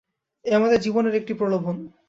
এ আমাদের জীবনের একটি প্রলোভন।